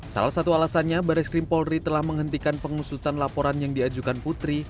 salah satu alasannya baris krim polri telah menghentikan pengusutan laporan yang diajukan putri